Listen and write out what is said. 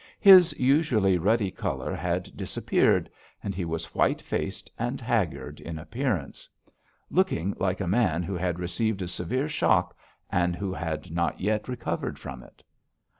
His usually ruddy colour had disappeared, and he was white faced and haggard in appearance; looking like a man who had received a severe shock, and who had not yet recovered from it.